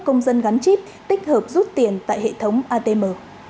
công dân gắn chip tích hợp rút tiền tại hệ thống atm